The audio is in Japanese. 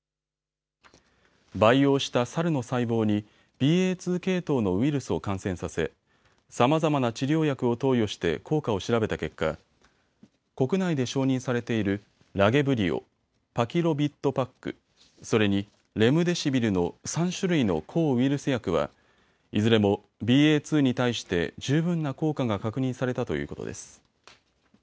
培養したサルの細胞にＢＡ．２系統のウイルスを感染させさまざまな治療薬を投与して効果を調べた結果、国内で承認されているラゲブリオ、パキロビッドパック、それにレムデシビルの３種類の抗ウイルス薬はいずれもＢＡ．２に対して十分な効果が確認されたということです。